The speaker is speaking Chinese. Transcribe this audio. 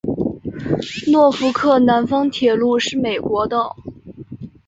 诺福克南方铁路是美国的。